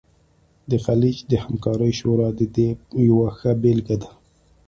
د خلیج د همکارۍ شورا د دې یوه ښه بیلګه ده